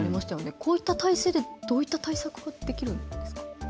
こういった体制でどういった対策ができるんですか。